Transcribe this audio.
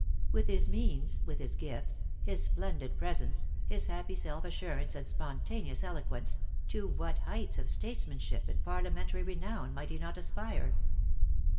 With his means, with his gifts, his splendid presence, his happy self assurance and spontaneous eloquence, to what heights of statesman ship and parliamentary renown might he not aspire?